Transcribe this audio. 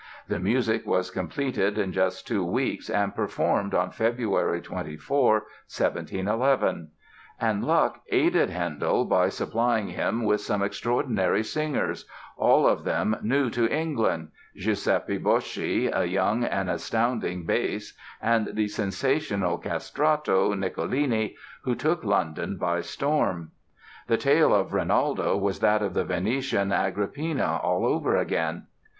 The music was completed in just two weeks and performed on February 24, 1711. And luck aided Handel by supplying him with some extraordinary singers, all of them new to England—Giuseppe Boschi, a young and astounding bass, and the sensational castrato, Nicolini, who took London by storm. The tale of "Rinaldo" was that of the Venetian "Agrippina" all over again!